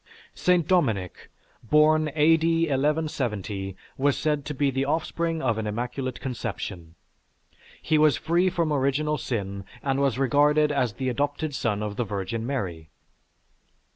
St. Dominic, born A.D. 1170, was said to be the offspring of an immaculate conception. He was free from original sin and was regarded as the adopted son of the Virgin Mary.